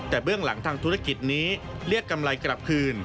แต่เบื้องหลังทางธุรกิจนี้เรียกกำไรกลับคืน